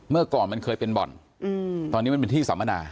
เมื่อก่อนมันเคยเป็นบ่อนตอนนี้มันเป็นที่สัมมนา